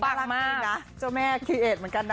น่ารักจริงนะเจ้าแม่เครียดเหมือนกันนะ